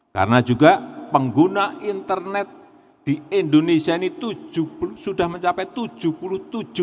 karena juga pengguna internet di indonesia ini sudah mencapai tujuh puluh tujuh persen